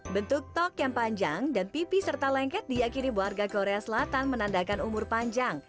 bentuk tok yang panjang dan pipi serta lengket diakiri warga korea selatan menandakan umur panjang